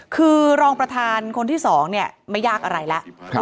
คือรองประธานคนที่๒เนี่ยไม่ยากอะไรแล้ว